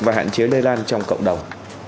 và hạn chế lây lan trong cộng đồng